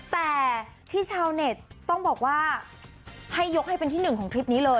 แต่ที่ชาวเน็ตต้องบอกว่าให้ยกให้เป็นที่หนึ่งของคลิปนี้เลย